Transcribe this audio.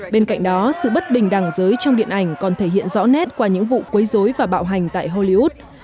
bên cạnh đó sự bất bình đẳng giới trong điện ảnh còn thể hiện rõ nét qua những vụ quấy dối và bạo hành tại hollywood